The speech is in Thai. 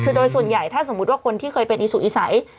คือโดยส่วนใหญ่ถ้าสมมุติว่าคนที่เคยเป็นอีสุอีสัย